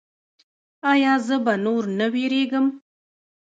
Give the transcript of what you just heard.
ایا زه به نور نه ویریږم؟